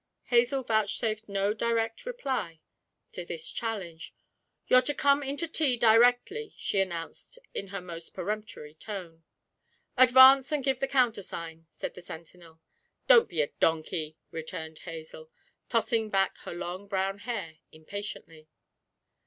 Hazel vouchsafed no direct reply to this challenge. 'You're to come in to tea directly,' she announced in her most peremptory tone. 'Advance, and give the countersign,' said the sentinel. 'Don't be a donkey!' returned Hazel, tossing back her long brown hair impatiently.